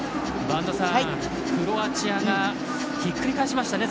播戸さん、クロアチアがひっくり返しましたね